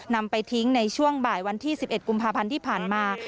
นำไปทิ้งในช่วงบ่ายวันที่๑๑กุมภาพันธ์ที่ผ่านมา